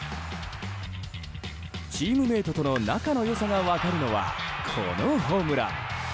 チームメートとの仲の良さが分かるのは、このホームラン。